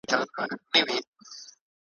ناره پورته د اتڼ سي مستانه هغسي نه ده ,